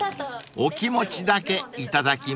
［お気持ちだけいただきます］